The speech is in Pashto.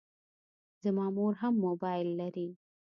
زما مور هم موبایل لري.